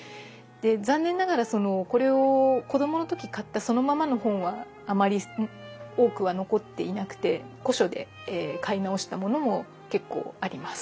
残念ながらこれを子供の時買ったそのままの本はあまり多くは残っていなくて古書で買い直したものも結構あります。